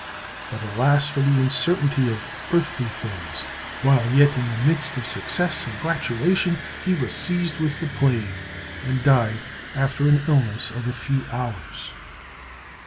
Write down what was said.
But alas for the uncertainty of earthly things! while yet in the midst of success and gratulation, he was seized with the plague, and died after an illness of a few hours!